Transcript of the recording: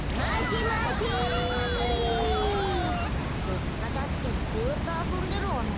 ふつかたつけどずっとあそんでるわね。